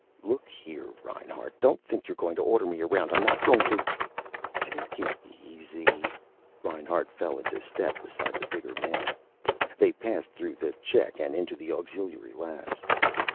"Look here, Reinhart. Don't think you're going to order me around. I'm not going to " "Take it easy." Reinhart fell into step beside the bigger man. They passed through the check and into the auxiliary labs.